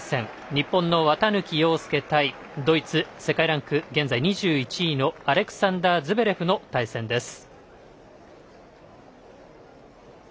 日本の綿貫陽介対ドイツ、世界ランク現在２１位のアレクサンダー・ズベレフの対戦です。